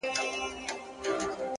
پوهه د راتلونکي جوړولو وسیله ده,